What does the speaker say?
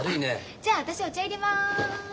じゃあ私お茶いれます。